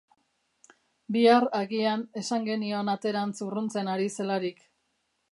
Bihar, agian, esan genion aterantz urruntzen ari zelarik.